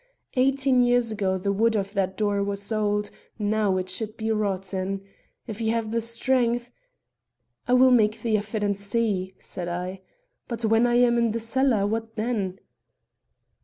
Eighteen years ago the wood of that door was old; now it should be rotten. If you have the strength " "I will make the effort and see," said I. "But when I am in the cellar, what then?"